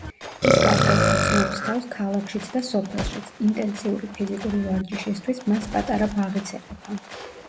ის კარგად გრძნობს თავს ქალაქშიც და სოფელშიც: ინტენსიური ფიზიკური ვარჯიშისთვის მას პატარა ბაღიც ეყოფა.